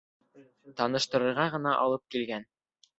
Таныштырырға ғына алып килгән.